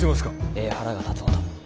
ええ腹が立つほど。